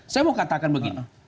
saya mau katakan begini